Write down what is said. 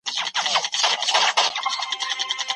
تاسو به د یو متین انسان په توګه اوسئ.